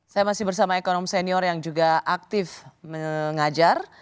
saya masih bersama ekonom senior yang juga aktif mengajar